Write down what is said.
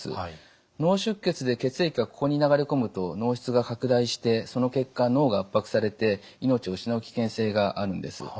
脳出血で血液がここに流れ込むと脳室が拡大してその結果脳が圧迫されて命を失う危険性があるんです。